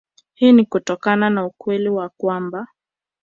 Hii ni kutokana na ukweli wa kwamba